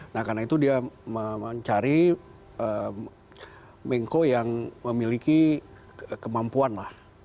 nah karena itu dia mencari mengko yang memiliki kemampuan lah